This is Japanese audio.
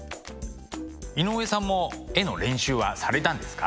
井上さんも絵の練習はされたんですか？